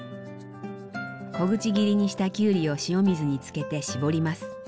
小口切りにしたきゅうりを塩水に漬けて絞ります。